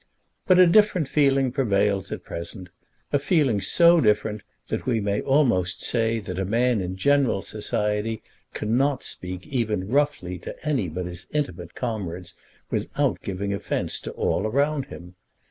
But a different feeling prevails at present; a feeling so different, that we may almost say that a man in general society cannot speak even roughly to any but his intimate comrades without giving offence to all around him.